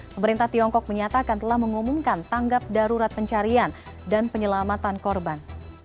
pemerintah tiongkok menyatakan telah mengumumkan tanggap darurat pencarian dan penyelamatan korban